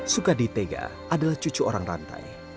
sukadi tega adalah cucu orang rantai